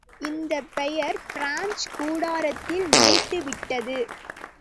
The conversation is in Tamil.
இந்தப் பெயர் பிரெஞ்சுக் கூடாரத்தில் நிலைத்துவிட்டது.